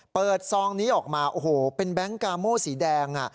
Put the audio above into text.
ซองนี้ออกมาโอ้โหเป็นแบงค์กาโมสีแดง